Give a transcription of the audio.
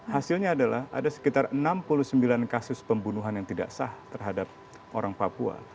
hasilnya adalah ada sekitar enam puluh sembilan kasus pembunuhan yang tidak sah terhadap orang papua